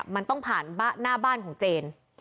มันต้องผ่านหน้าบ้านของเจน